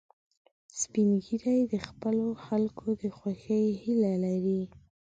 سپین ږیری د خپلو خلکو د خوښۍ هیله لري